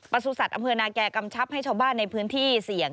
สุสัตว์อำเภอนาแก่กำชับให้ชาวบ้านในพื้นที่เสี่ยง